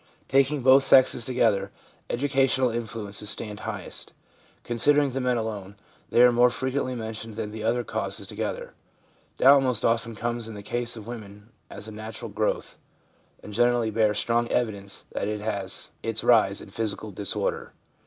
Taking both sexes together, educational influences stand highest ; considering the men alone, they are more frequently mentioned than the other causes to gether. Doubt most often comes in the case of women as a natural growth, and generally bears strong evi dence that it has its rise in physical disorder.